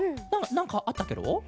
なんかあったケロ？